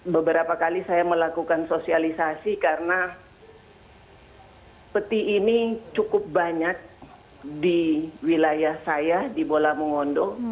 beberapa kali saya melakukan sosialisasi karena peti ini cukup banyak di wilayah saya di bola mongondo